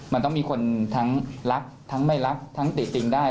มันต้องมีคนทั้งรักทั้งไม่รักทั้งติดติติงได้